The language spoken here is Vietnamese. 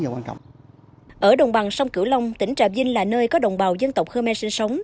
bằng sông cửu long tỉnh trạm vinh là nơi có đồng bào dân tộc khmer sinh sống